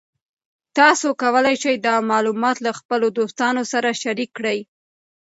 تاسو کولی شئ دا معلومات له خپلو دوستانو سره شریک کړئ.